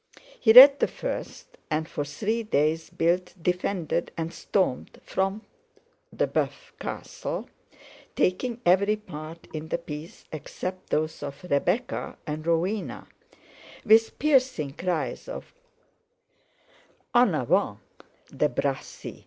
He read the first, and for three days built, defended and stormed Front de Boeuf's castle, taking every part in the piece except those of Rebecca and Rowena; with piercing cries of: "En avant, de Bracy!"